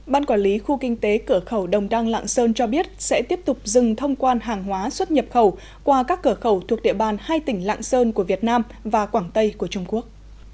ban quản lý khu kinh tế cửa khẩu đồng đăng lạng sơn cho biết sẽ tiếp tục dừng thông quan hàng hóa xuất nhập khẩu qua các cửa khẩu thuộc địa bàn hai tỉnh lạng sơn của việt nam và quảng tây của trung quốc